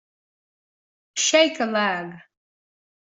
Shake a leg!